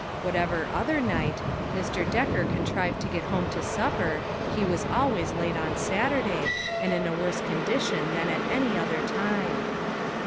What ever other night, Mr. Decker contrived to get home to supper, he was always late on Saturday, and in a worse condition than at any other time.